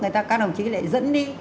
người ta các đồng chí lại dẫn đi